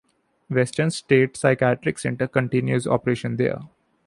Western State Psychiatric Center continues operations there.